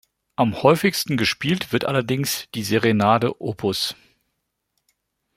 Am häufigsten gespielt wird allerdings die Serenade op.